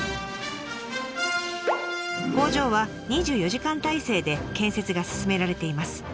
工場は２４時間体制で建設が進められています。